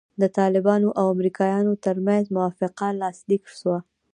د طالبانو او امریکایانو ترمنځ موافقه لاسلیک سوه.